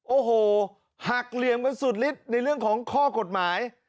โอ้โหหักเหลี่ยมกันสุดฤทธิ์ในเรื่องของข้อกฎหมาย